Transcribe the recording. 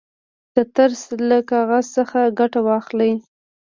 د ترس له کاغذ څخه ګټه واخلئ.